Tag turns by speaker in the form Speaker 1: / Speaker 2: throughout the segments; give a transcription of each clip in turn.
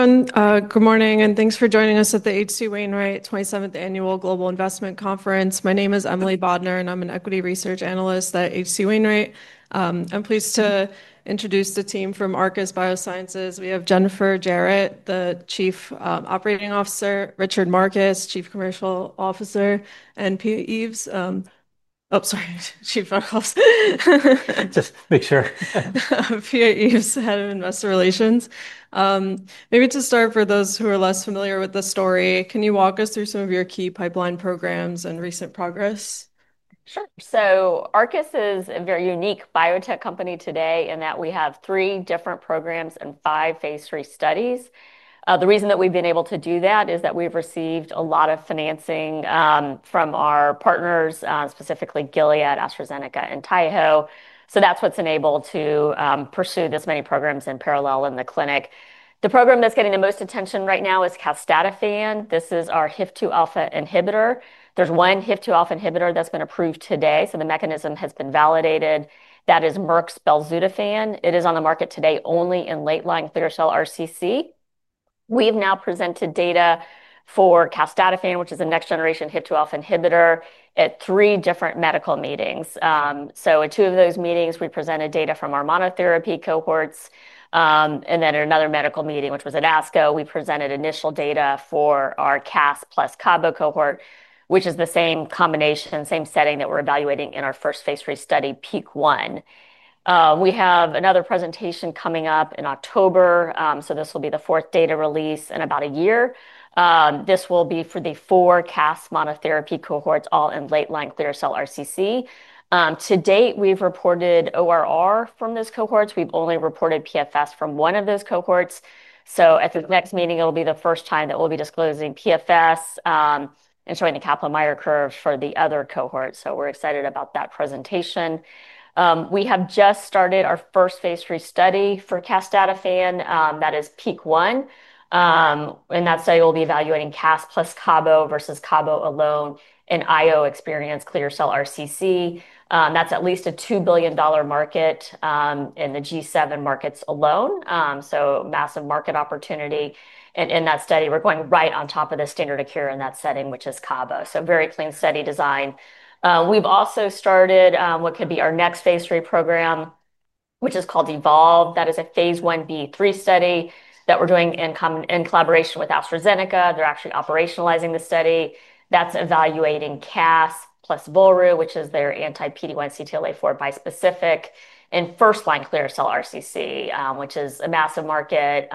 Speaker 1: Hi everyone. Good morning and thanks for joining us at the H.C. Wainwright 27th Annual Global Investment Conference. My name is Emily Bodnar, and I'm an Equity Research Analyst at H.C. Wainwright. I'm pleased to introduce the team from Arcus Biosciences. We have Jennifer Jarrett, the Chief Operating Officer, Richard Markus, Chief Commercial Officer, and Peter Eaves, Chief Financial Officer.
Speaker 2: Just to make sure.
Speaker 1: Pia Eaves, Head of Investor Relations. Maybe to start, for those who are less familiar with the story, can you walk us through some of your key pipeline programs and recent progress?
Speaker 3: Sure. Arcus is a very unique biotech company today in that we have three different programs and five phase 3 studies. The reason that we've been able to do that is that we've received a lot of financing from our partners, specifically Gilead, AstraZeneca, and Taiho. That's what's enabled us to pursue this many programs in parallel in the clinic. The program that's getting the most attention right now is castatinopathy. This is our HIF2α inhibitor. There's one HIF2α inhibitor that's been approved today, so the mechanism has been validated. That is Merck's belzutifan. It is on the market today only in late-line clear cell RCC. We've now presented data for castatinopathy, which is a next-generation HIF2α inhibitor, at three different medical meetings. In two of those meetings, we presented data from our monotherapy cohorts. In another medical meeting, which was at ASCO, we presented initial data for our cast plus cabo cohort, which is the same combination, same setting that we're evaluating in our first phase 3 study, PEAK1. We have another presentation coming up in October. This will be the fourth data release in about a year. This will be for the four cast monotherapy cohorts, all in late-line clear cell RCC. To date, we've reported ORR from those cohorts. We've only reported PFS from one of those cohorts. At the next meeting, it will be the first time that we'll be disclosing PFS and showing the Kaplan-Meier curve for the other cohorts. We're excited about that presentation. We have just started our first phase 3 study for castatinopathy. That is PEAK1. In that study, we'll be evaluating cast plus cabo versus cabo alone in IO-experienced clear cell RCC. That's at least a $2 billion market in the G7 markets alone, a massive market opportunity. In that study, we're going right on top of the standard of care in that setting, which is cabo, a very clean study design. We've also started what could be our next phase 3 program, which is called Evolve. That is a phase 1b/3 study that we're doing in collaboration with AstraZeneca. They're actually operationalizing the study. That's evaluating cast plus volrue, which is their anti-PD-1/CTLA-4 bispecific in first-line clear cell RCC, which is a massive market.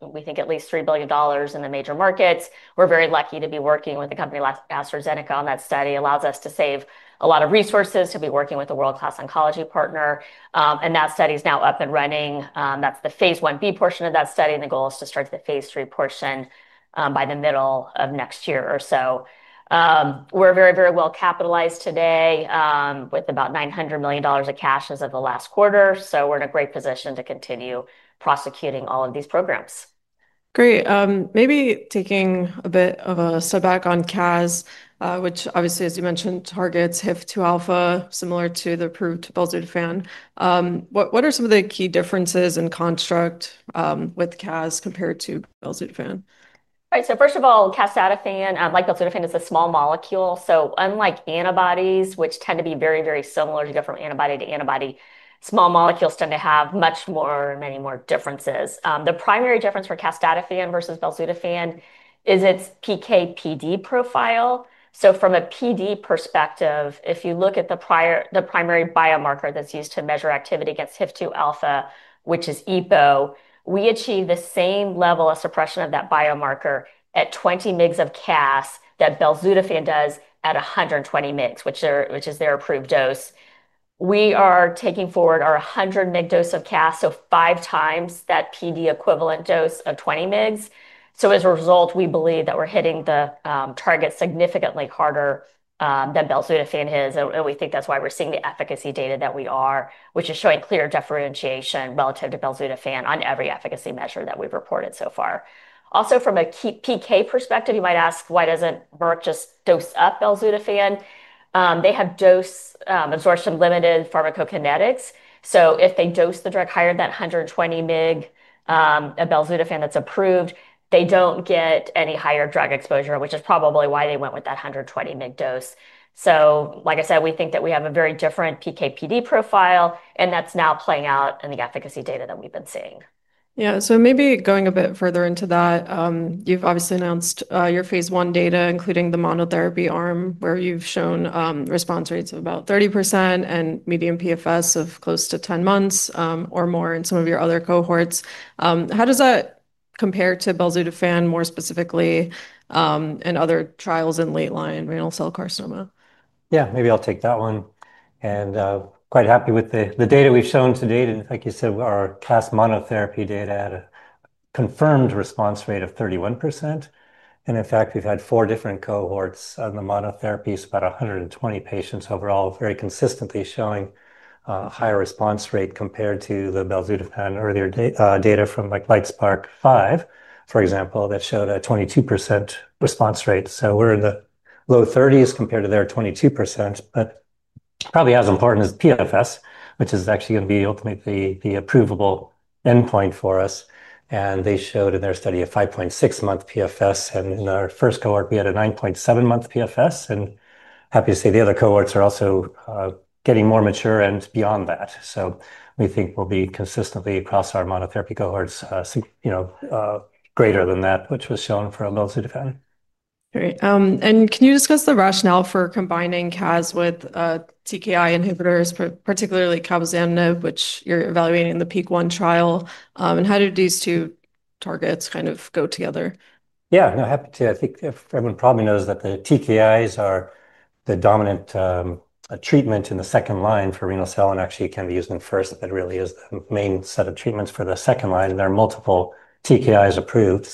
Speaker 3: We think at least $3 billion in the major markets. We're very lucky to be working with the company AstraZeneca on that study. It allows us to save a lot of resources to be working with a world-class oncology partner. That study is now up and running. That's the phase 1b portion of that study, and the goal is to start the phase 3 portion by the middle of next year or so. We're very, very well capitalized today with about $900 million of cash as of the last quarter. We're in a great position to continue prosecuting all of these programs.
Speaker 1: Great. Maybe taking a bit of a step back on castatinopathy, which obviously, as you mentioned, targets HIF2α similar to the approved belzutifan. What are some of the key differences in construct with castatinopathy compared to belzutifan?
Speaker 3: Right. First of all, castatinopathy, like belzutifan, is a small molecule. Unlike antibodies, which tend to be very, very similar from antibody to antibody, small molecules tend to have many more differences. The primary difference for castatinopathy versus belzutifan is its PK/PD profile. From a PD perspective, if you look at the primary biomarker that's used to measure activity against HIF2α, which is EPO, we achieve the same level of suppression of that biomarker at 20 mg of castatinopathy that belzutifan does at 120 mg, which is their approved dose. We are taking forward our 100 mg dose of castatinopathy, so five times that PD equivalent dose of 20 mg. As a result, we believe that we're hitting the target significantly harder than belzutifan is. We think that's why we're seeing the efficacy data that we are, which is showing clear differentiation relative to belzutifan on every efficacy measure that we've reported so far. Also, from a PK perspective, you might ask, why doesn't Merck just dose up belzutifan? They have dose absorption-limited pharmacokinetics. If they dose the drug higher than 120 mg of belzutifan that's approved, they don't get any higher drug exposure, which is probably why they went with that 120 mg dose. Like I said, we think that we have a very different PK/PD profile. That's now playing out in the efficacy data that we've been seeing.
Speaker 1: Yeah. Maybe going a bit further into that, you've obviously announced your phase one data, including the monotherapy arm where you've shown response rates of about 30% and median PFS of close to 10 months or more in some of your other cohorts. How does that compare to belzutifan more specifically in other trials in late line renal cell carcinoma?
Speaker 4: Yeah, maybe I'll take that one. I'm quite happy with the data we've shown to date. Like you said, our castatinopathy monotherapy data had a confirmed response rate of 31%. In fact, we've had four different cohorts on the monotherapy, so about 120 patients overall, very consistently showing a higher response rate compared to the belzutifan earlier data from LIGHTSPARK-5, for example, that showed a 22% response rate. We're in the low 30s compared to their 22%, but probably as important is PFS, which is actually going to be ultimately the approvable endpoint for us. They showed in their study a 5.6-month PFS. In our first cohort, we had a 9.7-month PFS. Obviously, the other cohorts are also getting more mature and beyond that. We think we'll be consistently across our monotherapy cohorts greater than that, which was shown for belzutifan.
Speaker 1: Great. Can you discuss the rationale for combining castatinopathy with TKI inhibitors, particularly cabozantinib, which you're evaluating in the PEAK1 trial? How do these two targets kind of go together?
Speaker 4: Yeah, no, happy to. I think everyone probably knows that the TKIs are the dominant treatment in the second line for renal cell and actually can be used in first. It really is the main set of treatments for the second line. There are multiple TKIs approved.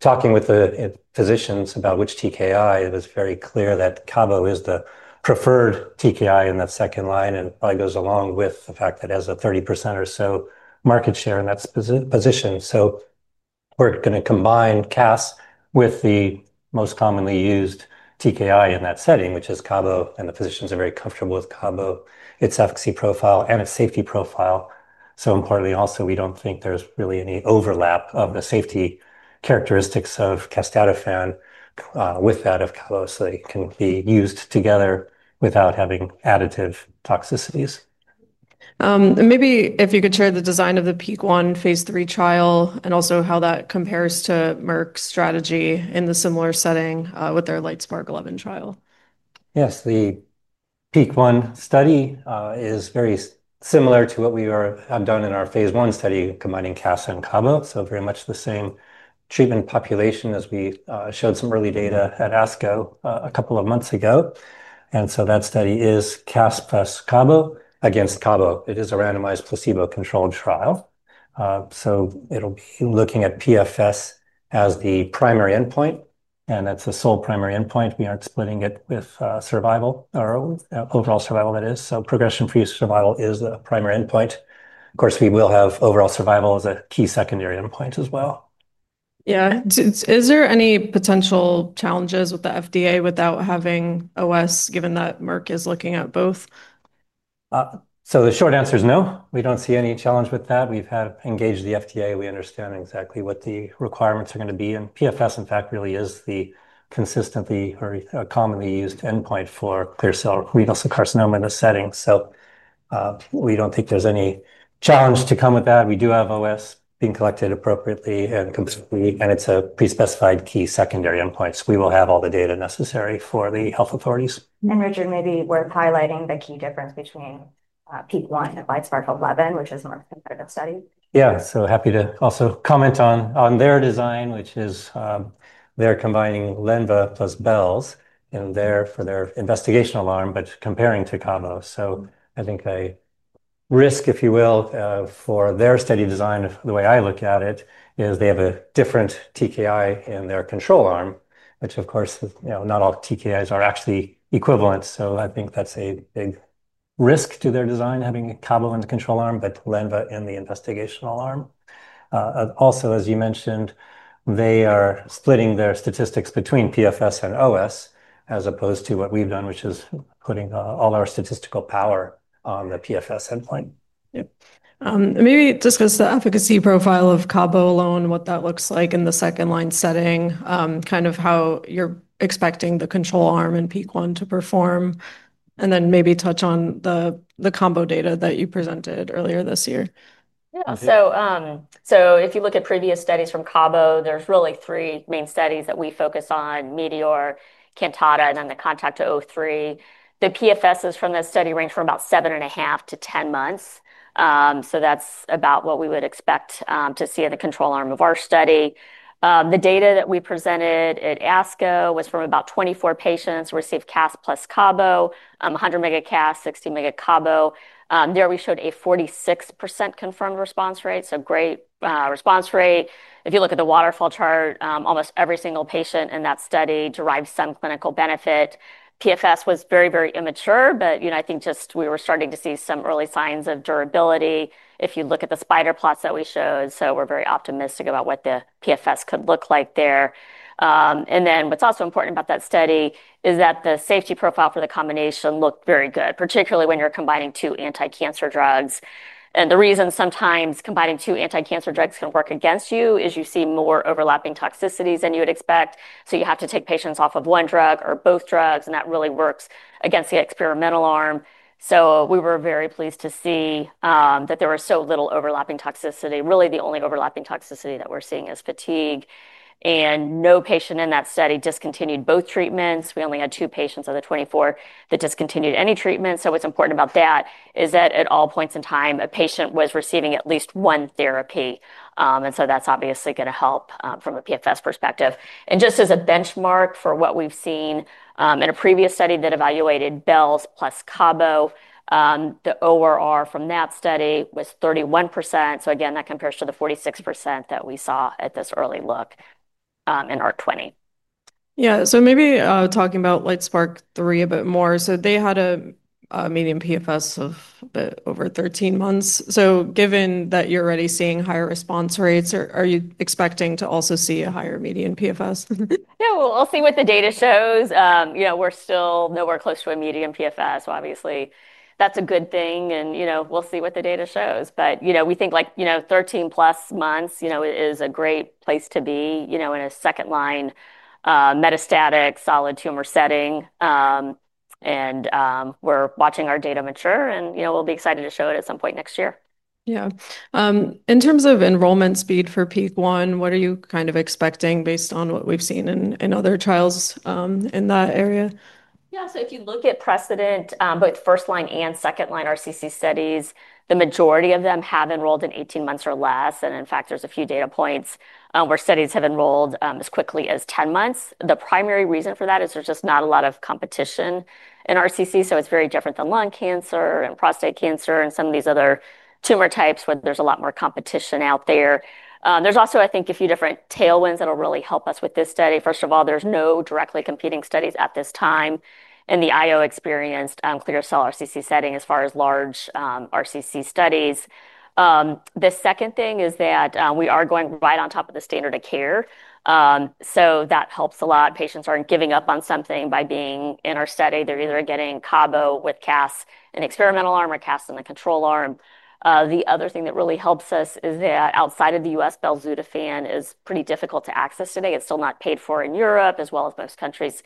Speaker 4: Talking with the physicians about which TKI, it was very clear that cabo is the preferred TKI in that second line. It probably goes along with the fact that it has a 30% or so market share in that position. We are going to combine castatinopathy with the most commonly used TKI in that setting, which is cabo. The physicians are very comfortable with cabo, its efficacy profile, and its safety profile. Importantly, also, we do not think there is really any overlap of the safety characteristics of castatinopathy with that of cabo. They can be used together without having additive toxicities.
Speaker 1: Could you share the design of the PEAK1 Phase 3 trial and also how that compares to Merck's strategy in the similar setting with their LIGHTSPARK-11 trial?
Speaker 4: Yes, the PEAK1 study is very similar to what we have done in our Phase 1 study combining castatinopathy and cabozantinib. Very much the same treatment population as we showed some early data at ASCO a couple of months ago. That study is castatinopathy plus cabozantinib against cabozantinib. It is a randomized placebo-controlled trial. It will be looking at PFS as the primary endpoint. That's the sole primary endpoint. We aren't splitting it with overall survival. Progression-free survival is the primary endpoint. Of course, we will have overall survival as a key secondary endpoint as well.
Speaker 1: Yeah. Is there any potential challenges with the FDA without having OS, given that Merck is looking at both?
Speaker 4: The short answer is no. We don't see any challenge with that. We've engaged the FDA. We understand exactly what the requirements are going to be. PFS, in fact, really is the consistently or commonly used endpoint for clear cell renal cell carcinoma in this setting. We don't think there's any challenge to come with that. We do have OS being collected appropriately and consistently. It's a pre-specified key secondary endpoint. We will have all the data necessary for the health authorities.
Speaker 3: Richard, maybe worth highlighting the key difference between PEAK1 and LIGHTSPARK-5, which is Merck's competitive study.
Speaker 4: Yeah, so happy to also comment on their design, which is they're combining lenvatinib plus belzutifan in there for their investigational arm, but comparing to cabozantinib. I think a risk, if you will, for their study design, the way I look at it, is they have a different TKI in their control arm, which, of course, not all TKIs are actually equivalent. I think that's a big risk to their design, having cabozantinib in the control arm, but lenvatinib in the investigational arm. Also, as you mentioned, they are splitting their statistics between PFS and OS as opposed to what we've done, which is putting all our statistical power on the PFS endpoint.
Speaker 1: Yeah. Maybe discuss the efficacy profile of cabozantinib alone, what that looks like in the second line setting, kind of how you're expecting the control arm in PEAK1 to perform. Maybe touch on the cabozantinib data that you presented earlier this year.
Speaker 3: Yeah. If you look at previous studies from cabo, there are really three main studies that we focus on – METEOR, CANTATA, and then the CONTACT-03. The PFSs from this study range from about 7.5-10 months. That is about what we would expect to see in the control arm of our study. The data that we presented at ASCO was from about 24 patients who received castatinopathy plus cabo, 100 mg castatinopathy, 60 mg cabo. There we showed a 46% confirmed response rate, so great response rate. If you look at the waterfall chart, almost every single patient in that study derived some clinical benefit. PFS was very, very immature, but I think we were starting to see some early signs of durability if you look at the spider plots that we showed. We are very optimistic about what the PFS could look like there. What's also important about that study is that the safety profile for the combination looked very good, particularly when you're combining two anti-cancer drugs. The reason sometimes combining two anti-cancer drugs can work against you is you see more overlapping toxicities than you would expect. You have to take patients off of one drug or both drugs, and that really works against the experimental arm. We were very pleased to see that there was so little overlapping toxicity. Really, the only overlapping toxicity that we're seeing is fatigue. No patient in that study discontinued both treatments. We only had two patients of the 24 that discontinued any treatment. What's important about that is that at all points in time, a patient was receiving at least one therapy. That is obviously going to help from a PFS perspective. Just as a benchmark for what we've seen in a previous study that evaluated belzutifan plus cabo, the ORR from that study was 31%. That compares to the 46% that we saw at this early look in our 24.
Speaker 1: Maybe talking about LIGHTSPARK-3 a bit more. They had a median PFS of over 13 months. Given that you're already seeing higher response rates, are you expecting to also see a higher median PFS?
Speaker 3: Yeah, we'll see what the data shows. We're still nowhere close to a median PFS, which is obviously a good thing. We'll see what the data shows. We think 13+ months is a great place to be in a second line metastatic solid tumor setting. We're watching our data mature, and we'll be excited to show it at some point next year.
Speaker 1: Yeah. In terms of enrollment speed for PEAK1, what are you kind of expecting based on what we've seen in other trials in that area?
Speaker 3: Yeah. If you look at precedent, both first line and second line RCC studies, the majority of them have enrolled in 18 months or less. In fact, there's a few data points where studies have enrolled as quickly as 10 months. The primary reason for that is there's just not a lot of competition in RCC. It's very different than lung cancer and prostate cancer and some of these other tumor types where there's a lot more competition out there. I think there's a few different tailwinds that will really help us with this study. First of all, there's no directly competing studies at this time in the IO experienced clear cell RCC setting as far as large RCC studies. The second thing is that we are going right on top of the standard of care. That helps a lot. Patients aren't giving up on something by being in our study. They're either getting cabozantinib with castatinopathy in the experimental arm or castatinopathy in the control arm. The other thing that really helps us is that outside of the U.S., belzutifan is pretty difficult to access today. It's still not paid for in Europe as well as most countries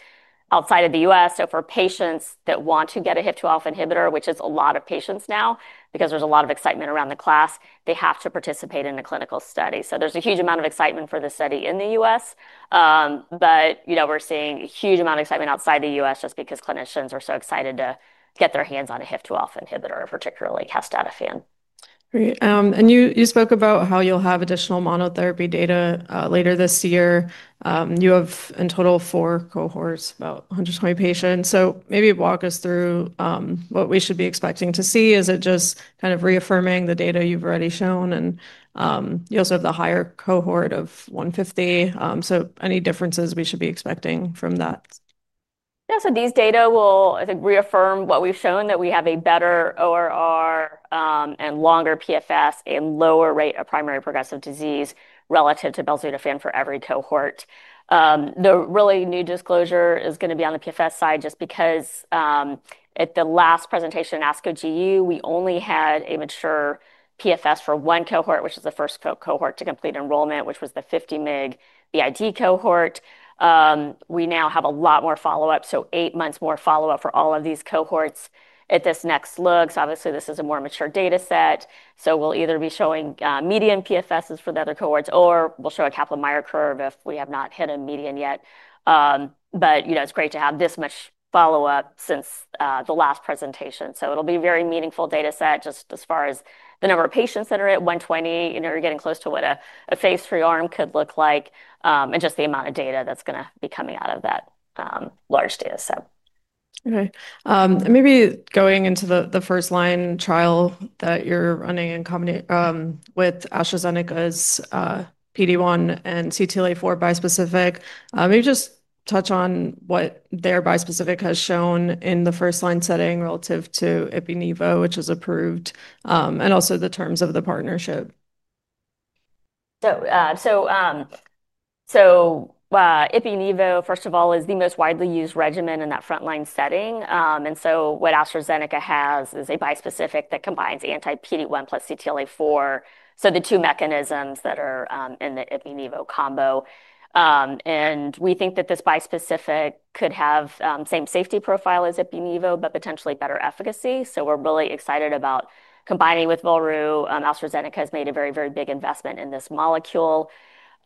Speaker 3: outside of the U.S. For patients that want to get a HIF2α inhibitor, which is a lot of patients now because there's a lot of excitement around the class, they have to participate in a clinical study. There's a huge amount of excitement for this study in the U.S., but we're seeing a huge amount of excitement outside the U.S. just because clinicians are so excited to get their hands on a HIF2α inhibitor, particularly castatinopathy.
Speaker 1: Great. You spoke about how you'll have additional monotherapy data later this year. You have in total four cohorts, about 120 patients. Maybe walk us through what we should be expecting to see. Is it just kind of reaffirming the data you've already shown? You also have the higher cohort of 150. Any differences we should be expecting from that?
Speaker 3: Yeah. These data will, I think, reaffirm what we've shown that we have a better ORR and longer PFS and lower rate of primary progressive disease relative to belzutifan for every cohort. The really new disclosure is going to be on the PFS side just because at the last presentation in ASCO GU, we only had a mature PFS for one cohort, which is the first cohort to complete enrollment, which was the 50-mg BID cohort. We now have a lot more follow-up, so eight months more follow-up for all of these cohorts at this next look. Obviously, this is a more mature data set. We will either be showing median PFSs for the other cohorts or we will show a Kaplan-Meier curve if we have not hit a median yet. You know, it's great to have this much follow-up since the last presentation. It will be a very meaningful data set just as far as the number of patients that are at 120. You know, you're getting close to what a phase 3 arm could look like and just the amount of data that's going to be coming out of that large data set.
Speaker 1: Okay. Maybe going into the first line trial that you're running with AstraZeneca's anti-PD-1/CTLA-4 bispecific antibody, maybe just touch on what their bispecific has shown in the first line setting relative to IpiNevo, which is approved, and also the terms of the partnership.
Speaker 3: IpiNevo, first of all, is the most widely used regimen in that frontline setting. What AstraZeneca has is a bispecific that combines anti-PD-1 plus CTLA-4, the two mechanisms that are in the IpiNevo combo. We think that this bispecific could have the same safety profile as IpiNevo, but potentially better efficacy. We're really excited about combining with volrue. AstraZeneca has made a very, very big investment in this molecule.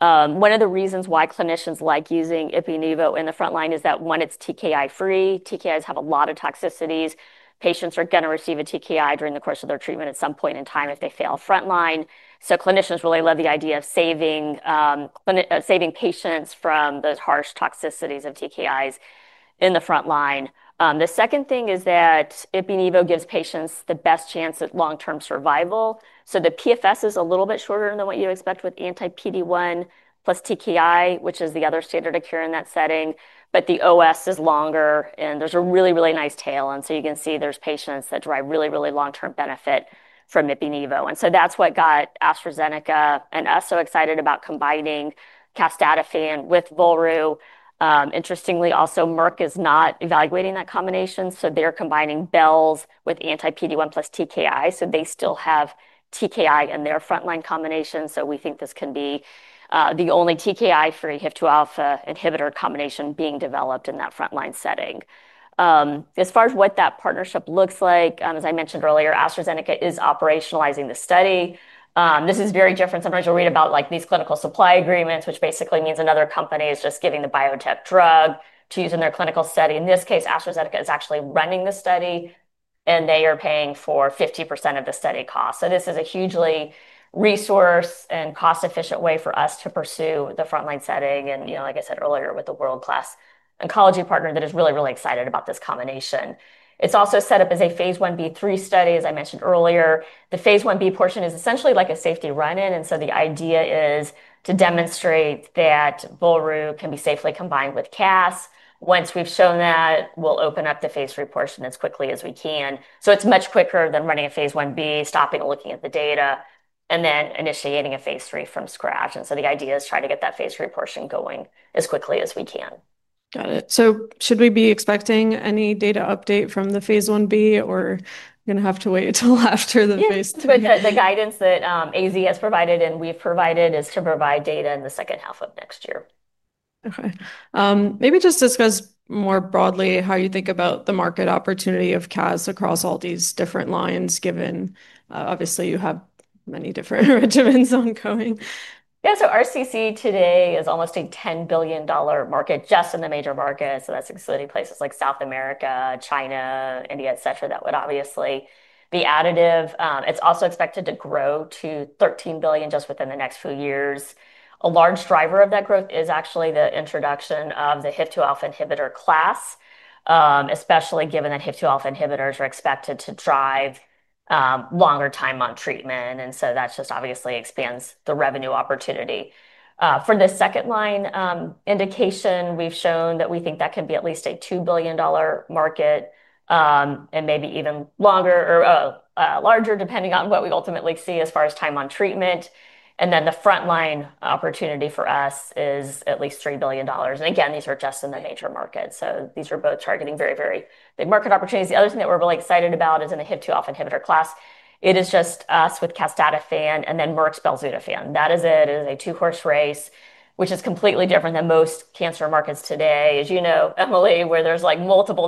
Speaker 3: One of the reasons why clinicians like using IpiNevo in the frontline is that, one, it's TKI-free. TKIs have a lot of toxicities. Patients are going to receive a TKI during the course of their treatment at some point in time if they fail frontline. Clinicians really love the idea of saving patients from the harsh toxicities of TKIs in the frontline. The second thing is that IpiNevo gives patients the best chance at long-term survival. The PFS is a little bit shorter than what you expect with anti-PD-1 plus TKI, which is the other standard of care in that setting. The OS is longer, and there's a really, really nice tail end. You can see there's patients that derive really, really long-term benefit from IpiNevo. That's what got AstraZeneca and us so excited about combining castatinopathy with volrue. Interestingly, also, Merck is not evaluating that combination. They're combining belzutifan with anti-PD-1 plus TKI. They still have TKI in their frontline combination. We think this can be the only TKI-free HIF2α inhibitor combination being developed in that frontline setting. As far as what that partnership looks like, as I mentioned earlier, AstraZeneca is operationalizing the study. This is very different. Sometimes you'll read about these clinical supply agreements, which basically means another company is just giving the biotech drug to use in their clinical study. In this case, AstraZeneca is actually running the study, and they are paying for 50% of the study cost. This is a hugely resource and cost-efficient way for us to pursue the frontline setting. Like I said earlier, with the world-class oncology partner that is really, really excited about this combination. It's also set up as a phase 1b/3 study, as I mentioned earlier. The phase 1b portion is essentially like a safety run-in. The idea is to demonstrate that volrue can be safely combined with castatinopathy. Once we've shown that, we'll open up the phase 3 portion as quickly as we can. It's much quicker than running a phase 1b, stopping and looking at the data, and then initiating a phase 3 from scratch. The idea is to try to get that phase 3 portion going as quickly as we can.
Speaker 1: Should we be expecting any data update from the phase 1b, or are we going to have to wait until after the phase 3?
Speaker 3: The guidance that AstraZeneca has provided and we've provided is to provide data in the second half of next year.
Speaker 1: Okay. Maybe just discuss more broadly how you think about the market opportunity of castatinopathy across all these different lines, given obviously you have many different regimens ongoing.
Speaker 3: Yeah. RCC today is almost a $10 billion market just in the major markets. That's excluding places like South America, China, India, et cetera, that would obviously be additive. It's also expected to grow to $13 billion just within the next few years. A large driver of that growth is actually the introduction of the HIF2α inhibitor class, especially given that HIF2α inhibitors are expected to drive longer time on treatment. That just obviously expands the revenue opportunity. For the second line indication, we've shown that we think that can be at least a $2 billion market and maybe even longer or larger depending on what we ultimately see as far as time on treatment. The frontline opportunity for us is at least $3 billion. Again, these are just in the major markets. These are both targeting very, very big market opportunities. The other thing that we're really excited about is in the HIF2α inhibitor class. It is just us with castatinopathy and then Merck's belzutifan. That is it. It is a two-horse race, which is completely different than most cancer markets today, as you know, Emily, where there's like multiple.